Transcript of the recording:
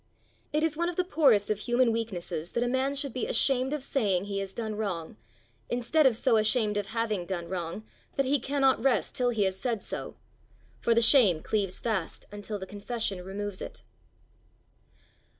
It is one of the poorest of human weaknesses that a man should be ashamed of saying he has done wrong, instead of so ashamed of having done wrong that he cannot rest till he has said so; for the shame cleaves fast until the confession removes it.